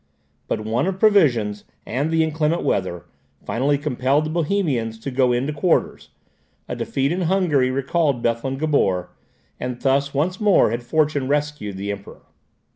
But want of provisions, and the inclement weather, finally compelled the Bohemians to go into quarters, a defeat in Hungary recalled Bethlen Gabor, and thus once more had fortune rescued the Emperor.